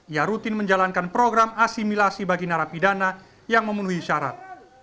ia rutin menjalankan program asimilasi bagi narapidana yang memenuhi syarat